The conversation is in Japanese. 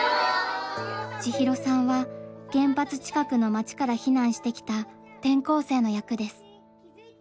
千尋さんは原発近くの町から避難してきた転校生の役です。